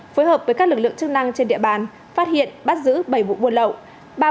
phối hợp với các lực lượng chức năng trên địa bàn phát hiện bắt giữ bảy vụ buôn lậu